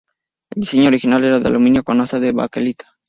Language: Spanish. El diseño original era de aluminio con asa de baquelita.